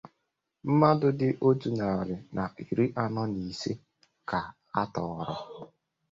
mmadụ dị otu narị na iri anọ na ise ka a tọrọ.